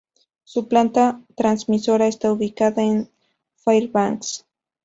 Su planta transmisora está ubicada en Fairbanks.